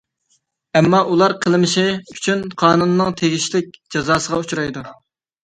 ئەمما ئۇلار قىلمىشى ئۈچۈن قانۇننىڭ تېگىشلىك جازاسىغا ئۇچرايدۇ.